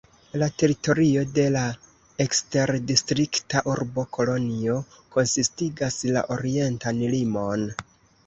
La teritorio de la eksterdistrikta urbo Kolonjo konsistigas la orientan limon.